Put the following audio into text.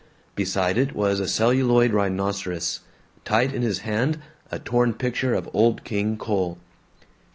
Beside it was a celluloid rhinoceros; tight in his hand a torn picture of Old King Cole.